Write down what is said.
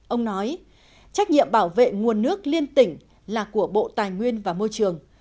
ông nói trách nhiệm bảo vệ nguồn nước liên tỉnh là của bộ tài nguyên và môi trường